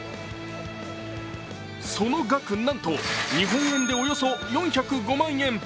その額、なんと日本円でおよそ４０５万円。